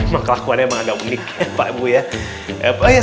memang kelakuannya emang agak unik ya pak ibu ya